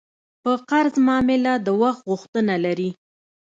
په قرض معامله د وخت غوښتنه لري.